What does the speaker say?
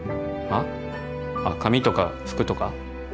あっ髪とか服とか？